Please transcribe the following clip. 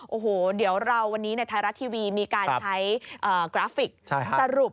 โอ้โหเดี๋ยวเราวันนี้ในไทยรัฐทีวีมีการใช้กราฟิกสรุป